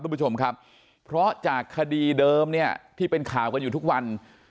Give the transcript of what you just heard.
คุณผู้ชมครับเพราะจากคดีเดิมเนี่ยที่เป็นข่าวกันอยู่ทุกวัน